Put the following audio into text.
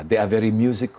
mereka sangat musikal